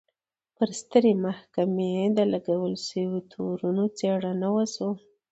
پر سترې محکمې د لګول شویو تورونو څېړنه وشوه.